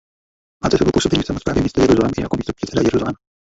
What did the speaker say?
Má za sebou působení v samosprávě města Jeruzalém i jako místostarosta Jeruzaléma.